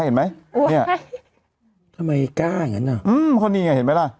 เห็นไหมเนี่ยทำไมกล้าอย่างนั้นน่ะอืมก็นี่ไงเห็นไหมล่ะ